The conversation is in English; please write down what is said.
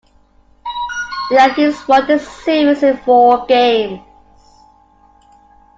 The Yankees won the series in four games.